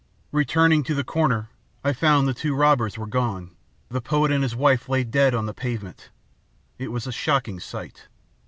"Returning to the corner, I found the two robbers were gone. The poet and his wife lay dead on the pavement. It was a shocking sight.